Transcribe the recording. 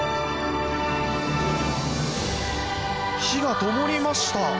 灯がともりました。